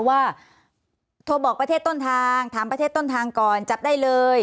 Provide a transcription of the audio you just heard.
ว่าโทรบอกประเทศต้นทางถามประเทศต้นทางก่อนจับได้เลย